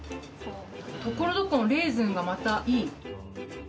ところどころのレーズンがまたいい。